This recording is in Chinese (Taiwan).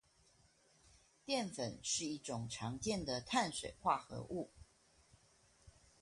澱粉是一種常見的碳水化合物